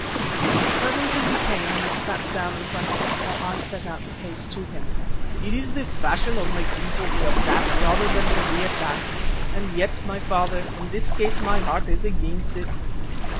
Presently he came and sat down in front of us, while I set out the case to him. "It is the fashion of my people to attack rather than to be attacked, and yet, my father, in this case my heart is against it.